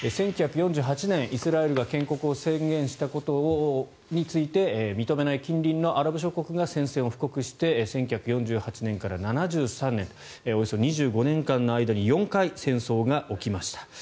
１９４８年、イスラエルが建国を宣言したことについて認めない近隣のアラブ諸国が宣戦を布告して１９４８年から７３年およそ２５年間の間に４回、戦争が起きました。